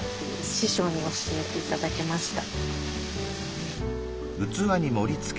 師匠に教えて頂きました。